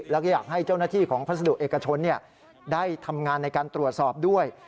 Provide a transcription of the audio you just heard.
แล้วก็อยากให้เจ้าหน้าที่ของพัสดุเอกชนได้ทำงานในการตรวจสอบด้วย